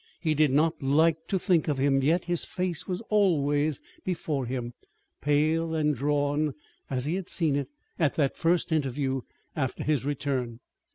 He did not like to think of him, yet his face was always before him, pale and drawn, as he had seen it at that first interview after his return.